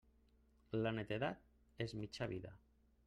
La netedat és mitja vida.